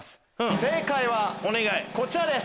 正解はこちらです。